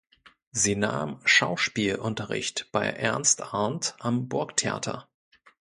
Sie nahm Schauspielunterricht bei Ernst Arndt am Burgtheater.